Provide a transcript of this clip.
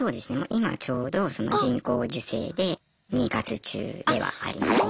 今ちょうどその人工授精で妊活中ではありますね。